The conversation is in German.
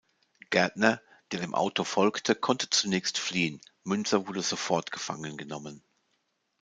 Gaertner, der dem Auto folgte, konnte zunächst fliehen, Münzer wurde sofort gefangenen genommen.